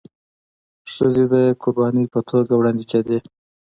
ښځي د قرباني په توګه وړاندي کيدي.